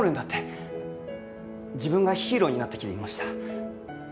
って自分がヒーローになった気でいました。